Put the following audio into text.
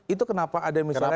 itu kenapa ada misalnya